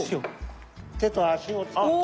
手と足を使って。